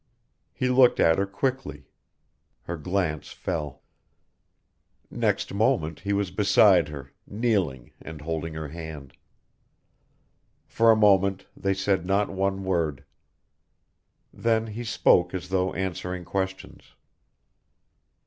He looked at her quickly. Her glance fell. Next moment he was beside her, kneeling and holding her hand. For a moment, they said not one word. Then he spoke as though answering questions.